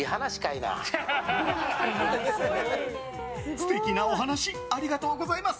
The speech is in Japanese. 素敵なお話ありがとうございます。